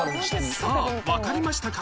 さあわかりましたか？